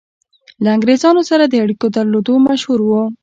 له انګرېزانو سره د اړېکو درلودلو مشهور وو.